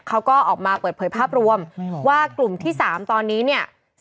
เขาก็ออกมาเปิดเผยภาพรวมว่ากลุ่มที่๓ตอนนี้เนี่ย